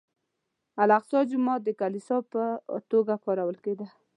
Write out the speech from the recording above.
الاقصی جومات د کلیسا په توګه کارول کېده.